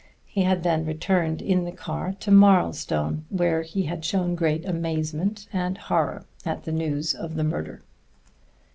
He had then returned in the car to Marlstone, where he had shown great amazement and horror at the news of the murder.